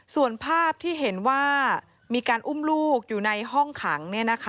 ส่วนภาพที่เห็นว่ามีการอุ้มลูกอยู่ในห้องขัง